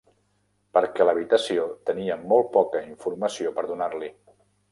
Perquè l'habitació tenia molt poca informació per donar-li.